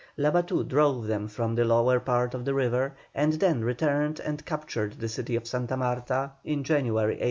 Labatut drove them from the lower part of the river, and then returned and captured the city of Santa Marta in January, 1813.